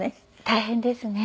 大変ですね。